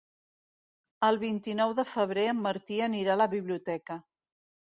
El vint-i-nou de febrer en Martí anirà a la biblioteca.